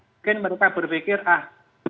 mungkin mereka berpikir ah